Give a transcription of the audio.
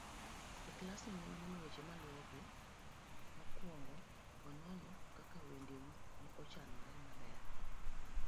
E klasni, ne wanono weche maluwogi; mokwongo, ne wanono kaka wendeu ne ochanore maber.